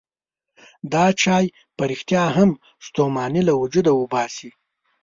دا چای په رښتیا هم ستوماني له وجوده وباسي.